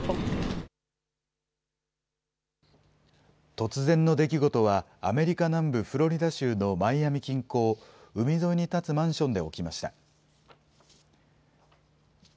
突然の出来事は、アメリカ南部フロリダ州のマイアミ近郊、海沿いに建つマンションで起きました。